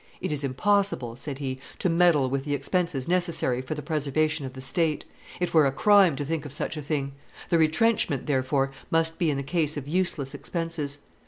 "It is impossible," he said, "to meddle with the expenses necessary for the preservation of the state; it were a crime to think of such a thing. The retrenchment, therefore, must be in the case of useless expenses.